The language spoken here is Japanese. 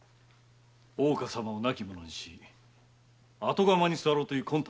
大岡様を亡き者にしその後に座ろうという魂胆かと。